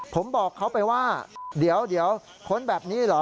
ผมบอกเขาไปว่าเดี๋ยวค้นแบบนี้เหรอ